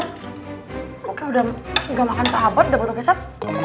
oke udah gak makan sahabat udah butuh kecap